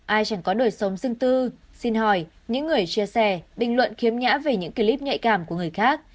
ai chẳng có đời sống dưng tư xin hỏi những người chia sẻ bình luận khiếm nhã về những clip nhạy cảm của người khác